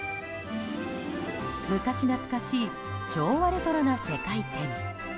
昔懐かしい昭和レトロな世界展。